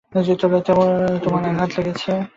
তোমার আঘাত লেগেছে?